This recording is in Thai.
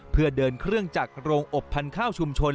เพื่อเดินเครื่องจากโรงอบพันธุ์ข้าวชุมชน